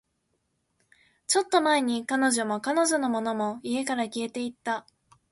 ちょっと前に、彼女も、彼女のものも、家から消えていった